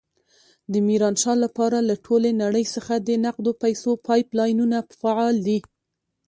د ميرانشاه لپاره له ټولې نړۍ څخه د نقدو پيسو پایپ لاینونه فعال دي.